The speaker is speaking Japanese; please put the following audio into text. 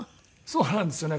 そうなんですよね。